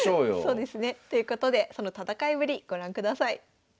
そうですね。ということでその戦いぶりご覧ください。